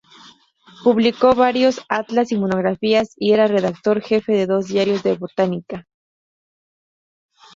Publicó varios atlas y monografías y era redactor jefe de dos diarios de Botánica.